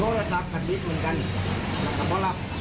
โทษแล้วจากคัตบิ๊กเหมือนกันขอบพระรับ